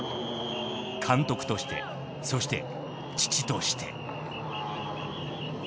監督としてそして父として。